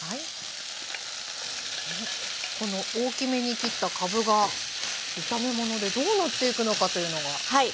この大きめに切ったかぶが炒め物でどうなっていくのかというのが注目。